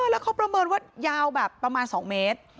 แล้วเขาประเมินว่ายาวแบบประมาณ๒เมตร